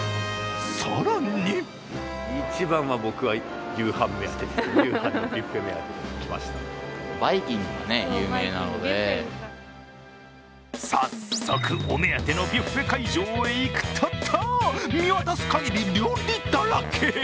更に早速、お目当てのビュッフェ会場へ行くと見渡す限り料理だらけ。